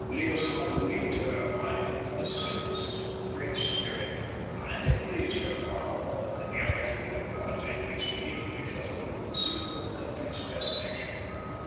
L'Île Saint Louis to her mind offered a synthesis of the French spirit, and it pleased her far more than the garish boulevards in which the English as a rule seek for the country's fascination.